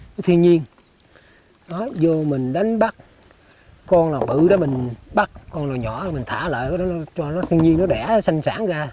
cái thiên nhiên nó vô mình đánh bắt con là bự đó mình bắt con là nhỏ mình thả lại cho nó thiên nhiên nó đẻ sanh sản ra